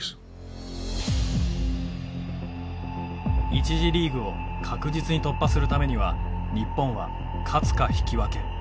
１次リーグを確実に突破するためには日本は勝つか引き分け。